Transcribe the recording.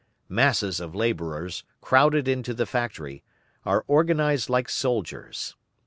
Masses of labourers, crowded into the factory, are organised like soldiers.